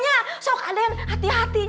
aduh adik adik hati hati